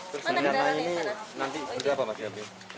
terus nanti apa pak yopi